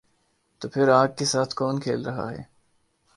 تو پھر آگ کے ساتھ کون کھیل رہا ہے؟